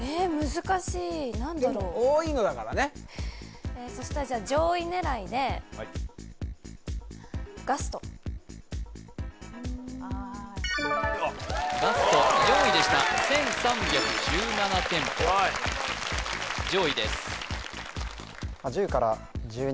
難しい何だろう多いのだからねそしたらじゃあ上位狙いでガスト４位でした１３１７店舗上位ですへえ